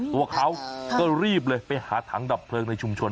ตัวเขาก็รีบเลยไปหาถังดับเพลิงในชุมชน